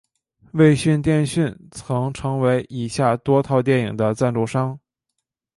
卫讯电讯曾成为以下多套电影的赞助商。